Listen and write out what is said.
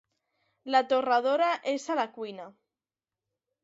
La torradora és a la cuina.